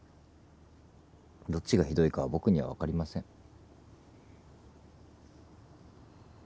どっちがひどいかは僕には分かりません。